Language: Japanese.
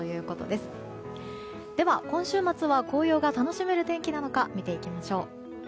では今週末は紅葉が楽しめる天気なのか見ていきましょう。